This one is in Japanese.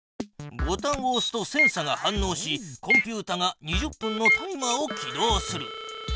ボタンをおすとセンサが反のうしコンピュータが２０分のタイマーを起動する。